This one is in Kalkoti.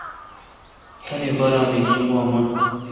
تانی بارہ می گیجن گوا من۔